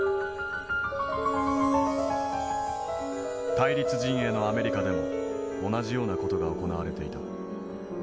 対立陣営のアメリカでも同じような事が行われていた。